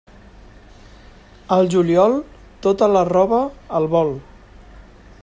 Al juliol, tota la roba al vol.